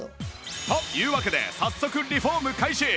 というわけで早速リフォーム開始！